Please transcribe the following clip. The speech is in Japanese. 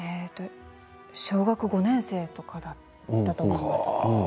小学５年生とかだったと思います。